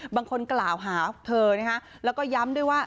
บางคนกล่าวหาเธอนะคะแล้วก็ย้ำด้วยว่า